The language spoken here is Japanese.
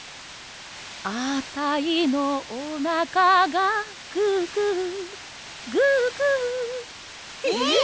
「あたいのおなかがググググ」えっ！？